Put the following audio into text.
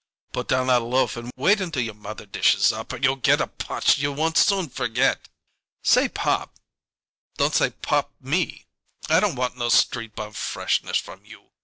"Put down that loaf and wait until your mother dishes up, or you'll get a potch you won't soon forget." "Say, pop " "Don't 'say, pop' me! I don't want no street bum freshness from you!"